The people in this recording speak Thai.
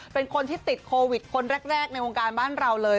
เป็นคนที่ติดโควิดคนแรกในวงการบ้านเราเลย